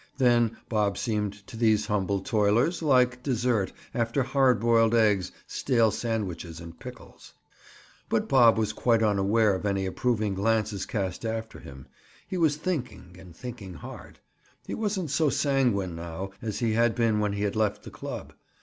Then Bob seemed to these humble toilers, like dessert, after hard boiled eggs, stale sandwiches and pickles. But Bob was quite unaware of any approving glances cast after him. He was thinking, and thinking hard. He wasn't so sanguine now as he had been when he had left the club.